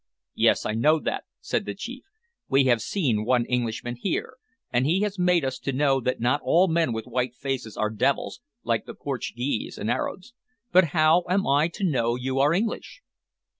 "Yes, I know that," said the chief. "We have seen one Englishman here, and he has made us to know that not all men with white faces are devils like the Portuguese and Arabs. But how am I to know you are English?"